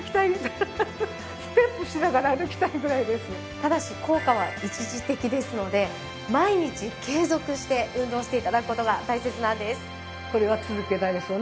ただし効果は一時的ですので毎日継続して運動して頂く事が大切なんです。